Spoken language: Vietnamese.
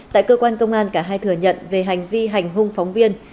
tại cơ quan công an cả hai thừa nhận về hành vi hành hung phóng viên